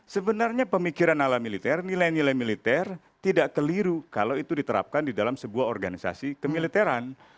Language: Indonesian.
sebenarnya pemikiran ala militer nilai nilai militer tidak keliru kalau itu diterapkan di dalam sebuah organisasi kemiliteran